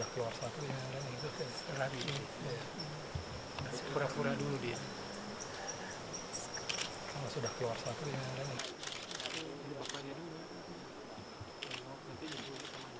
kalau sudah keluar satu